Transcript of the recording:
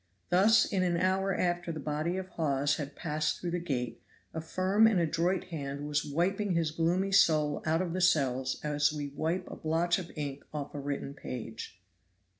Thus in an hour after the body of Hawes had passed through that gate a firm and adroit hand was wiping his gloomy soul out of the cells as we wipe a blotch of ink off a written page.